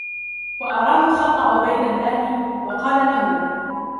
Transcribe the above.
وَأَرَاهُ خَطَّ عُبَيْدِ اللَّهِ وَقَالَ لَهُ